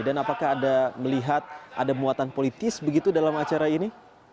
dan apakah ada melihat ada muatan politis begitu dalam acara ini